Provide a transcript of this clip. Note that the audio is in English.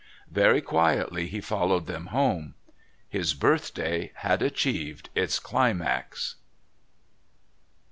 Very quietly he followed them home. His birthday had achieved its climax...